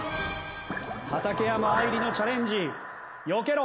畠山愛理のチャレンジよけろ！